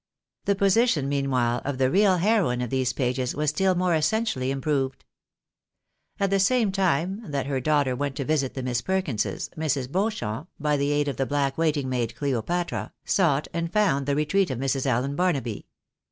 The position, meanwhile, of the real heroine of these pages was still more essentially improved. At the same time that her daughter went to visit the Miss Perkinses, Mrs. Beauchamp, by the aid of the black waiting maid, Cleopatra, sought and found the retreat of Mrs. Allen Barnaby.